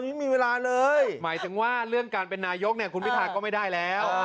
ไม่มีเวลาขนาดดอมยังไม่มีเวลาเลย